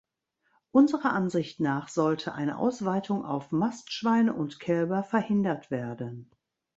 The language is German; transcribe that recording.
Unserer Ansicht nach sollte eine Ausweitung auf Mastschweine und –kälber verhindert werden.